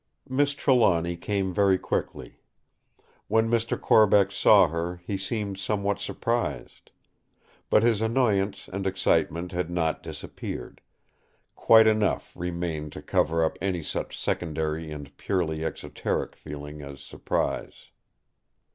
Miss Trelawny came very quickly. When Mr. Corbeck saw her, he seemed somewhat surprised. But his annoyance and excitement had not disappeared; quite enough remained to cover up any such secondary and purely exoteric feeling as surprise.